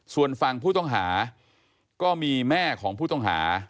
ส่วนฝั่งผู้ต้องหาก็มีแม่ของผู้ต้องหา